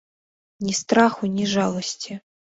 Ні страху, ні жаласці.